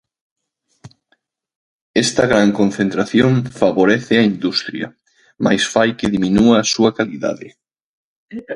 Esta gran concentración "favorece á industria, mais fai que diminúa a súa calidade".